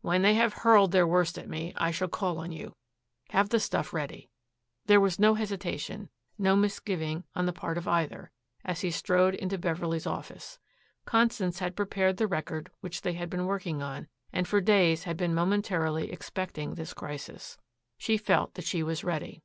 When they have hurled their worst at me I shall call on you. Have the stuff ready." There was no hesitation, no misgiving on the part of either, as he strode into Beverley's office. Constance had prepared the record which they had been working on, and for days had been momentarily expecting this crisis. She felt that she was ready.